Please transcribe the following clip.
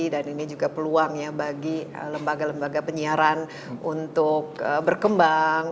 dan ini juga peluang ya bagi lembaga lembaga penyiaran untuk berkembang